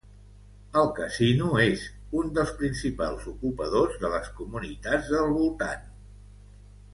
El casino és un dels principals ocupadors de les comunitats del voltant.